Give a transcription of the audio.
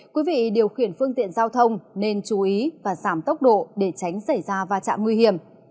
quý vị điều khiển phương tiện giao thông nên chú ý và giảm tốc độ để tránh xảy ra va chạm nguy hiểm